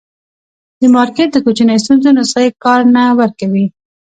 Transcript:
د مارکېټ د کوچنیو ستونزو نسخې کار نه ورکوي.